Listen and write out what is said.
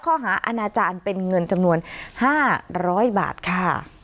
อาณาจารย์เป็นเงินจำนวน๕๐๐บาทค่ะ